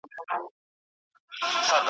پېریانو ته کوه قاف څشي دی؟ .